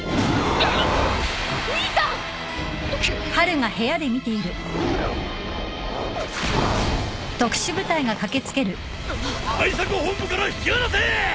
対策本部から引き離せ！